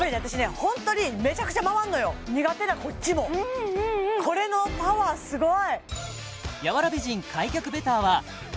ホントにメチャクチャ回んのよ苦手なこっちもこれのパワーすごい！